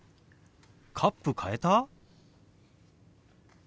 カップ変えた？